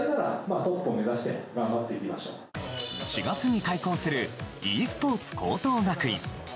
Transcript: ４月に開校するｅスポーツ高等学院。